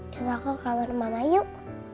coba ke kamar mama yuk